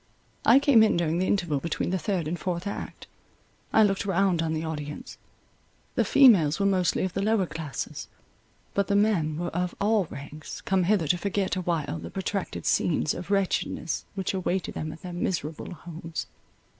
I came in during the interval between the third and fourth act. I looked round on the audience; the females were mostly of the lower classes, but the men were of all ranks, come hither to forget awhile the protracted scenes of wretchedness, which awaited them at their miserable homes.